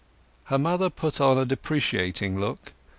Her mother put on a deprecating look.